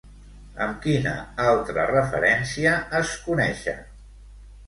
Amb quina altra referència es coneixen?